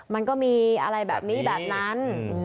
มันก็มีอะไรแบบนี้แบบนั้น